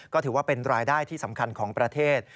ก็ถือว่าเป็นรายได้ที่สำคัญของประเทศ